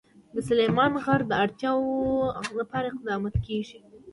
د سلیمان غر د اړتیاوو لپاره اقدامات کېږي.